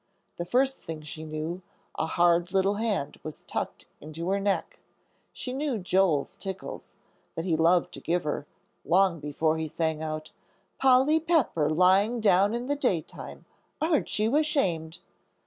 The first thing she knew, a hard little hand was tucked into her neck. She knew Joel's tickles, that he loved to give her, long before he sang out, "Polly Pepper, lying down in the daytime! Aren't you ashamed?"